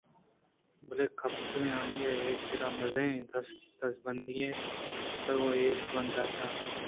بلے کپیس ءَ آئی ءِ کرّا مزنیں دست ءُ دزبندی ئے کُت ءُ اے زبان دات